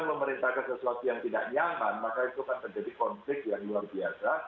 kalau memerintahkan sesuatu yang tidak nyaman maka itu akan terjadi konflik yang luar biasa